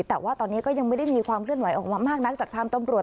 แต่ว่าตอนนี้ก็ยังไม่ได้มีความเคลื่อนไหวออกมามากนักจากทางตำรวจ